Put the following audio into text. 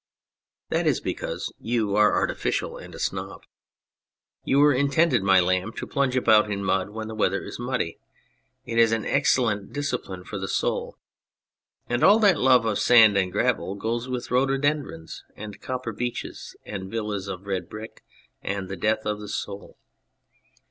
That is because you are 12 On Clay artificial and a snob. You were intended, my lamb, to plunge about in mud when the weather is muddy it is an excellent discipline for the soul. And all that love of sand and gravel goes with rhododendrons, copper beeches, and villas of red brick, and the death of the soul.